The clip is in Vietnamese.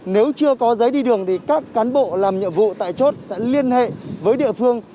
nếu chưa có giấy đi đường thì các cán bộ làm nhiệm vụ tại chốt sẽ liên hệ với địa phương